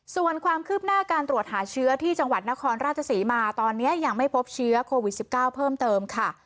ส่วนความคืบหน้าการตรวจหาเชื้อที่จังหวัดนครราชศรีมาตอนนี้ยังไม่พบเชื้อโควิด๑๙เพิ่มเติมค่ะ